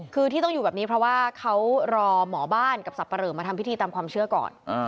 คือที่ต้องอยู่แบบนี้เพราะว่าเขารอหมอบ้านกับสับปะเหลอมาทำพิธีตามความเชื่อก่อน